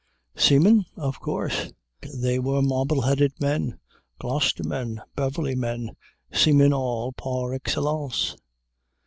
Seamen? Of course! They were Marbleheaded men, Gloucester men, Beverly men, seamen all, _par excellence!